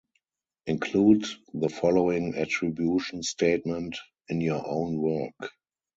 Include the following attribution statement in your own work: